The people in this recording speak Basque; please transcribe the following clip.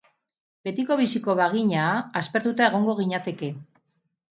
Betiko biziko bagina, aspertuta egongo ginateke.